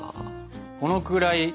このくらい。